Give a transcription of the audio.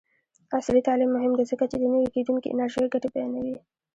عصري تعلیم مهم دی ځکه چې د نوي کیدونکي انرژۍ ګټې بیانوي.